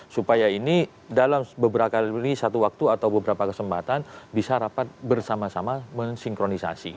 supaya ini dalam beberapa kali ini satu waktu atau beberapa kesempatan bisa rapat bersama sama mensinkronisasi